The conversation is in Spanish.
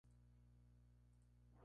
Sus números son discretos.